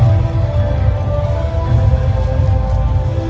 สโลแมคริปราบาล